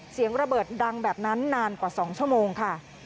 เสียงระเบิดดังแบบนั้นนานกว่า๒ชั่วโมงค่ะ